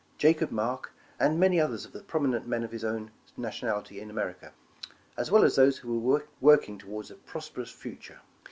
Jacob Mark, and many others of the prominent men of his own nation ality in America, as well as those who were working toward a prosperous future.